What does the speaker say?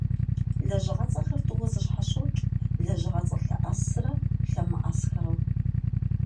Лэжьыгъэцӏэхэр тӏууэ зэщхьэщокӏ - лэжьыгъэцӏэ лъэӏэсрэ лъэмыӏэсхэрэу.